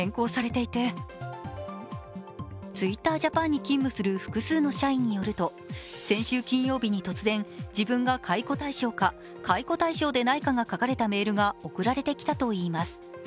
ＴｗｉｔｔｅｒＪａｐａｎに勤務する複数の社員によると先週金曜日に突然、自分が解雇対象か解雇対象でないかが書かれたメールが送られてきたといいます。